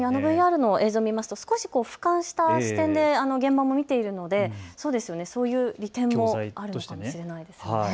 ＶＲの映像を見ますとふかんした視点で現場も見られるのでそういう利点もあるかもしれないですね。